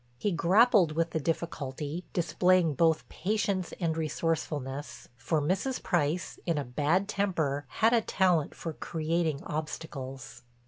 He grappled with the difficulty, displaying both patience and resourcefulness, for Mrs. Price, in a bad temper, had a talent for creating obstacles.